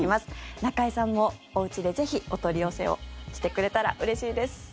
中居さんもおうちでぜひ、お取り寄せをしてくれたらうれしいです。